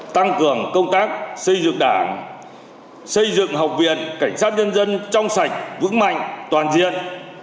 tăng cường công tác xây dựng đảng xây dựng học viện cảnh sát nhân dân trong sạch vững mạnh toàn diện